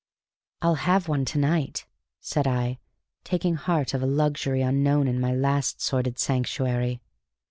"I'll have one to night," said I, taking heart of a luxury unknown in my last sordid sanctuary.